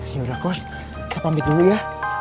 yaudah cost saya pamit dulu ya